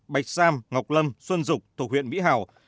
bạch sam ngọc lâm xuân dục thuộc huyện mỹ hào